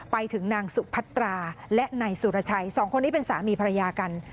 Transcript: ไปถึงนางสุพัตราและนายสุรชัยสองคนนี้เป็นสามีภรรยากัน